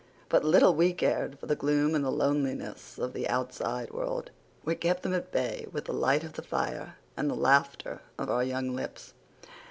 But little we cared for the gloom and the loneliness of the outside world; we kept them at bay with the light of the fire and the laughter of our young lips.